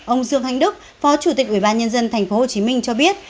ông dương thanh đức phó chủ tịch ủy ban nhân dân tp hcm cho biết